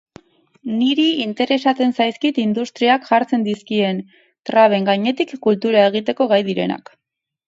Niri interesatzen zaizkit industriak jartzen dizkien traben gainetik kultura egiteko gai direnak.